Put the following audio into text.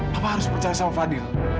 kamu harus percaya sama fadil